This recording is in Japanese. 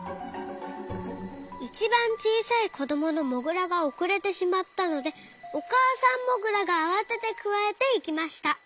いちばんちいさいこどものモグラがおくれてしまったのでおかあさんモグラがあわててくわえていきました。